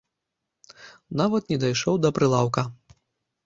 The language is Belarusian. Нават не дайшоў да прылаўка.